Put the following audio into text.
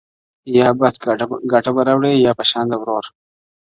یا بس گټه به راوړې په شان د وروره,